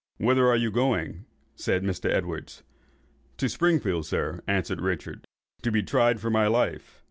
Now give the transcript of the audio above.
—"Whither are you going?" said Mr. Edwards. "To Springfield, Sir," answered Richard, "to be tried for my life."